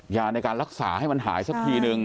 ยาในการรักษาให้มันหายสักทีนึง